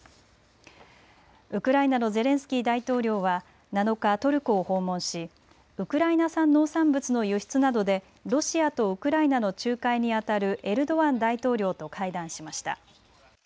ウクライナのゼレンスキー大統領は７日、トルコを訪問しウクライナ産農産物の輸出などでロシアとウクライナの仲介にあたるエルドアン大統領と会談しました。